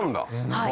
はい。